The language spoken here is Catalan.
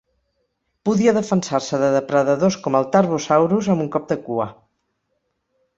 Podia defensar-se de depredadors com el "Tarbosaurus" amb un cop de cua.